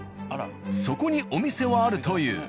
そこにお店はあるという。